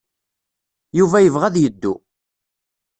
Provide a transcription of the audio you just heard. Yuba yebɣa ad yeddu.